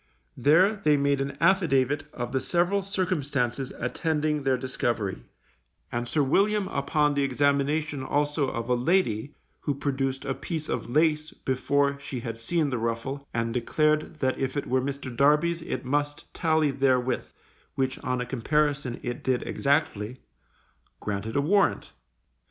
There they made an affidavit of the several circumstances attending their discovery, and Sir William upon the examination also of a lady (who produced a piece of lace before she had seen the ruffle, and declared that if it were Mr. Darby's it must tally therewith, which on a comparison it did exactly) granted a warrant.